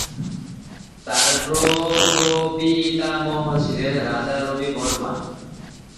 তাঁর প্র-প্রপিতামহ ছিলেন রাজা রবি বর্মা।